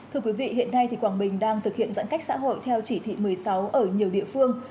thưa quý vị hiện nay quảng bình đang thực hiện giãn cách xã hội theo chỉ thị một mươi sáu ở nhiều địa phương